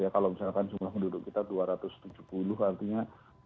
kalau misalkan jumlah penduduk kita dua ratus tujuh puluh artinya